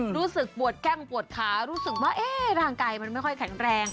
รู้สึกปวดแก้งปวดขารู้สึกว่าร่างกายมันไม่ค่อยแข็งแรง